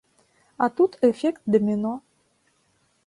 А тут эфект даміно.